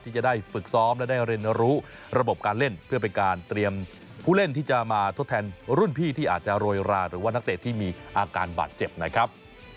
ที่จะได้ฝึกซ้อมและได้เรียนรู้ระบบการเล่นเพื่อเป็นการเตรียมผู้เล่นที่จะมาทดแทนรุ่นพี่ที่อาจจะโรยราหรือว่านักเตะที่มีอาการบาดเจ็บนะครับ